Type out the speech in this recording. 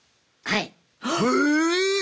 はい。